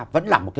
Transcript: vẫn là một cái